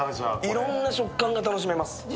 いろんな食感が楽しめます。